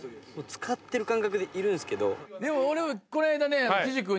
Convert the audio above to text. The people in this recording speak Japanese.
使ってる感覚でいるんすけど。